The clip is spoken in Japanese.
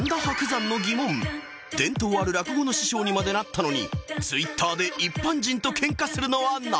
伝統ある落語の師匠にまでなったのに Ｔｗｉｔｔｅｒ で一般人とケンカするのはなぜ？